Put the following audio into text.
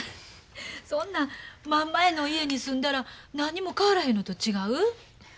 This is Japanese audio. そんなん真ん前の家に住んだら何にも変わらへんのと違う？